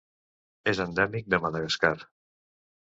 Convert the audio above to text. És endèmic de Madagascar.